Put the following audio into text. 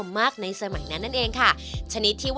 เช่นอาชีพพายเรือขายก๋วยเตี๊ยว